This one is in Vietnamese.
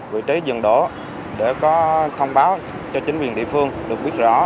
vị trí dừng đổ để có thông báo cho chính quyền địa phương được biết rõ